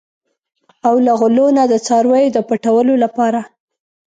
او له غلو نه د څارویو د پټولو لپاره.